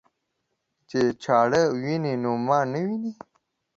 چې چاړه ويني نو ما نه ويني.